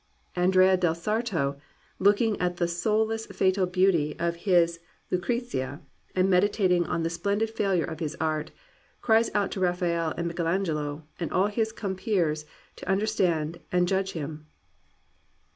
Andrea del Sarto, looking at the soulless fatal beauty of his Lucrezia, and meditating on the splendid failure of his art, cries out to Rafael and Michelangelo and all his compeers to understand and judge him.